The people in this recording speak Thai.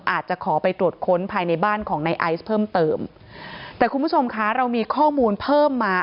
อาจจะขอไปตรวจค้นภายในบ้านของในไอซ์เพิ่มเติมแต่คุณผู้ชมคะเรามีข้อมูลเพิ่มมา